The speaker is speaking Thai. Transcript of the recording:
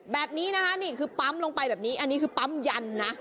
แบบนี้นะคะนี่คือปั๊มลงไปแบบนี้อันนี้คือปั๊มยันนะ